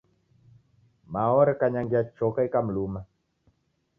Mao orekanyangia choka ikamluma.